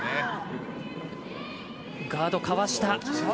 ガードかわした。